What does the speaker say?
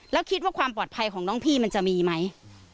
แล้วคิดว่าความปลอดภัยของน้องพี่มันจะมีไหม